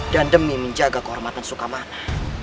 dan demi menjaga kehormatan sukamana